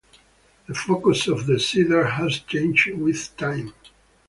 The focus of the seder has changed with time.